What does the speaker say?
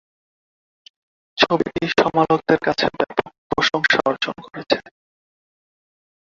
ছবিটি সমালোচকদের কাছে ব্যাপক প্রশংসা অর্জন করেছে।